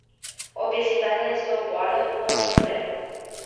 Obezitatea este o boală, nu o problemă.